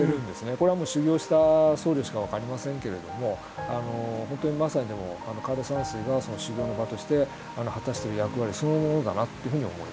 これはもう修行した僧侶しか分かりませんけれども本当にまさに枯山水が修行の場として果たしてる役割そのものだなってふうに思いますね。